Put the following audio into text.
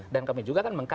dan kami juga kan mengatakan